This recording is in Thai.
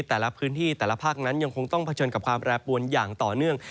แต่ละพื้นที่แต่ละภาคนั้นยังคงต้องเผชิญกับความแปรปวนอย่างต่อเนื่อง